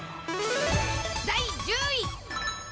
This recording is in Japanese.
第１０位。